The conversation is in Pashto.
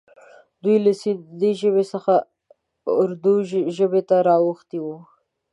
دوی له سیندي ژبې څخه اردي ژبې ته را اوښتي وي.